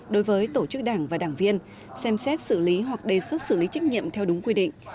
đối với tổ chức đảng và đảng viên xem xét xử lý hoặc đề xuất xử lý trách nhiệm theo đúng quy định